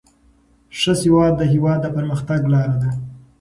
ښه سواد د هیواد د پرمختګ لاره ده.